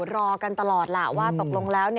รอกันตลอดล่ะว่าตกลงแล้ว